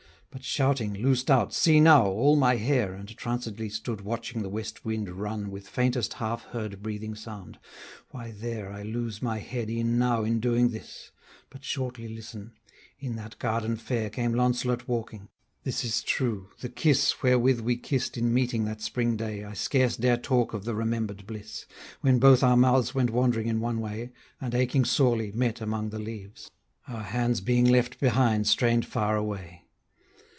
But shouting, loosed out, see now! all my hair, And trancedly stood watching the west wind run With faintest half heard breathing sound; why there I lose my head e'en now in doing this; But shortly listen: In that garden fair Came Launcelot walking; this is true, the kiss Wherewith we kissed in meeting that spring day, I scarce dare talk of the remember'd bliss, When both our mouths went wandering in one way, And aching sorely, met among the leaves; Our hands being left behind strained far away.